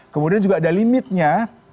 kemudian juga ada limitnya